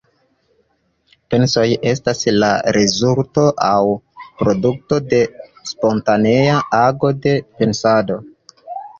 Pensoj estas la rezulto aŭ produkto de spontanea ago de pensado.